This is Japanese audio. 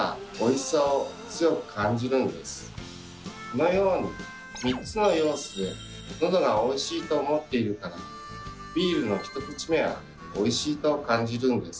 このように３つの要素でのどがおいしいと思っているからビールの１口目はおいしいと感じるんです。